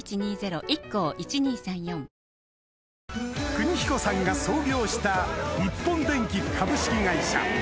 邦彦さんが創業した日本電気株式会社